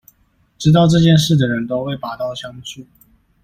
知道這件事的人都會拔刀相助